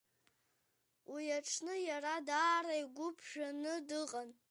Уи аҽны иара даара игәы ԥжәаны дыҟан.